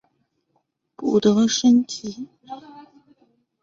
不得升级。